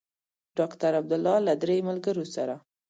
ډاکټر عبدالله له درې ملګرو سره.